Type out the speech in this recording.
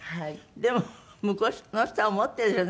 でも向こうの人は思ってるでしょうね。